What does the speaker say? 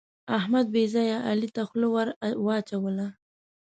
احمد بې ځایه علي ته خوله ور واچوله.